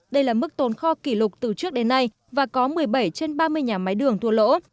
đây là mức tồn kho kỷ lục từ trước đến nay và có một mươi bảy trên ba mươi nhà máy đường thua lỗ